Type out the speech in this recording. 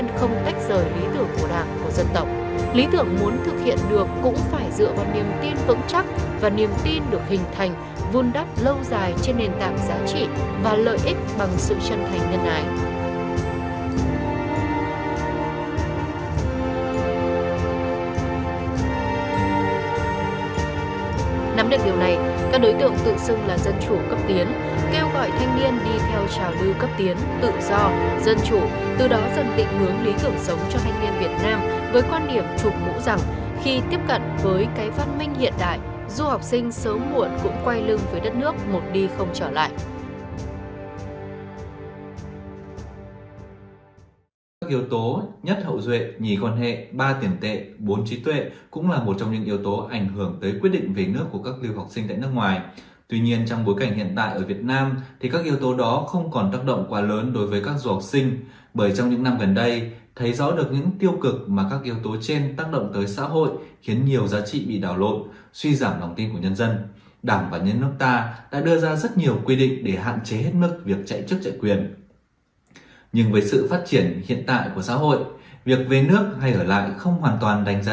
nhưng với sự phát triển hiện tại của xã hội việc về nước hay ở lại không hoàn toàn đánh giá được việc các du học sinh có muốn được đóng góp xây dựng quê hương đất nước hay không